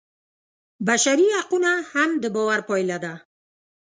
بشري حقونه هم د باور پایله ده.